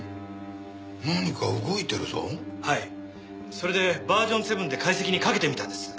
それでバージョン７で解析にかけてみたんです。